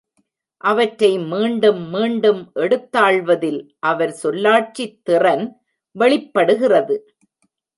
அவற்றை மீண்டும் மீண்டும் எடுத்தாள்வதில் அவர் சொல்லாட்சித் திறன் வெளிப்படுகிறது.